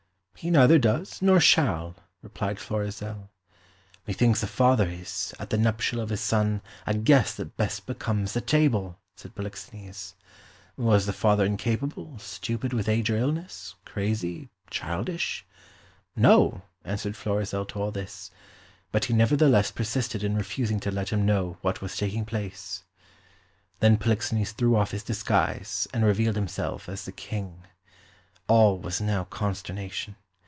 "He neither does nor shall," replied Florizel. "Methinks a father is, at the nuptial of his son, a guest that best becomes the table," said Polixenes. Was the father incapable, stupid with age or illness, crazy, childish? "No," answered Florizel to all this; but he nevertheless persisted in refusing to let him know what was taking place. Then Polixenes threw off his disguise and revealed himself as the King. All was now consternation.